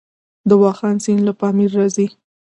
د واخان سیند له پامیر راځي